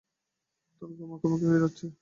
তাঁর গা মাখামাখি হয়ে যাচ্ছে।